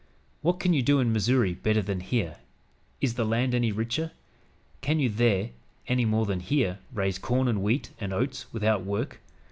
What can you do in Missouri better than here? Is the land any richer? Can you there, any more than here, raise corn and wheat and oats without work?